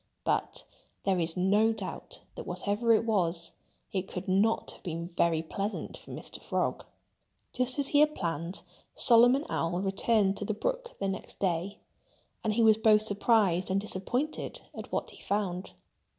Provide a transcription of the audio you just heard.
But there is no doubt that whatever it was, it could not have been very pleasant for Mr. Frog. Just as he had planned, Solomon Owl returned to the brook the next day. And he was both surprised and disappointed at what he found.